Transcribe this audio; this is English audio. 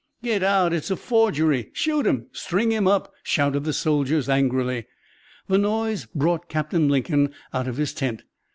"Get out! It's a forgery! Shoot him! String him up!" shouted the soldiers angrily. This noise brought Captain Lincoln out of his tent.